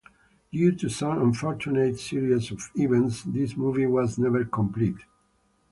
Due to some unfortunate series of events this movie was never completed.